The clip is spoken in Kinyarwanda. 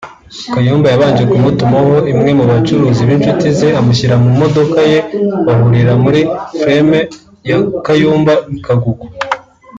Kayumba yabanje kumutumaho umwe mubacuruzi b’inshuti ze amushyira mumodoka ye bahurira muri Ferme ya Kayumba i Kagugu